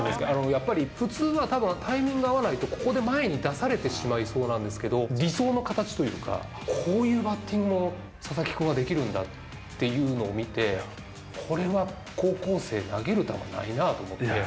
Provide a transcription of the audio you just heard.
やっぱり普通はタイミング合わないと、ここで前に出されてしまいそうなんですけど、理想の形というか、こういうバッティングも佐々木君はできるんだっていうのを見て、これは高校生、投げる球がないなと思って。